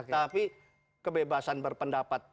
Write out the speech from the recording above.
tapi kebebasan berpendapat